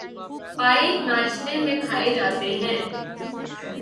پائے ناشتے میں کھائے جاتے ہیں